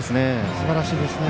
すばらしいですね。